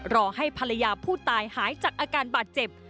รอให้ภรรยาผู้ตายหายจากอาการบาดเจ็บ